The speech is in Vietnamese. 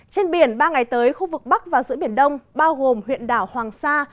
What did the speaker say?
trên biển ba ngày tới khu vực bắc và giữa biển đông bao gồm huyện đảo hoàng sa